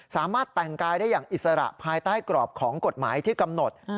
สามารถแต่งกายได้อย่างอิสระภายใต้กรอบของกฎหมายที่กำหนด